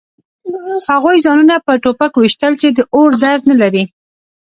هغوی ځانونه په ټوپک ویشتل چې د اور درد ونلري